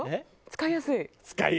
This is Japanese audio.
使いやすい。